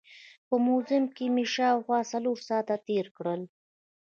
په موزیم کې مې شاوخوا څلور ساعت تېر کړل.